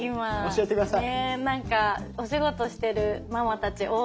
教えて下さい！